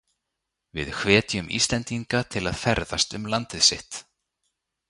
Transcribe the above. Við hvetjum Íslendinga til að ferðast um landið sitt.